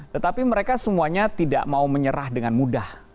tetapi mereka semuanya tidak mau menyerah dengan mudah